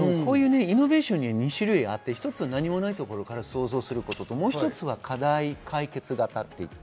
イノベーションには２種類あって、１つは何もないところから想像することともう一つは課題解決型。